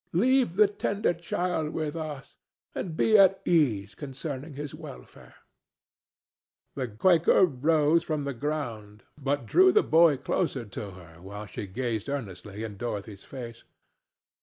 Leave the tender child with us, and be at ease concerning his welfare." The Quaker rose from the ground, but drew the boy closer to her, while she gazed earnestly in Dorothy's face.